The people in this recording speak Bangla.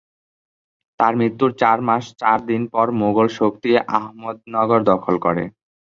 তার মৃত্যুর চার মাস চার দিন পর মোগল শক্তি আহমেদনগর দখল করে।